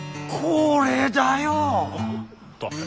これだよ！